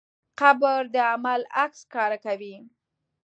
قبر د عمل عکس ښکاره کوي.